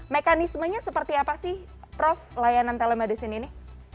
mekanismenya seperti apa sih prof layanan telemedicine ini